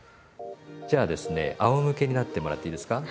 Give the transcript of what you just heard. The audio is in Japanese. じゃあですねあおむけになってもらっていいですか。